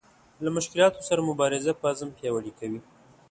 له مشکلاتو سره مبارزه په عزم پیاوړې کوي.